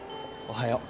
おはよう！